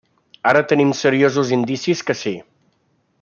Ara tenim seriosos indicis que sí.